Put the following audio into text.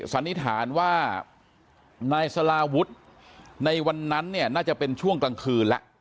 สันนิษฐานว่านายสลาวุฒิในวันนั้นเนี่ยน่าจะเป็นช่วงกลางคืนแล้ว